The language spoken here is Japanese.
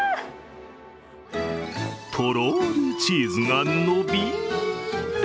とろりチーズがのびる。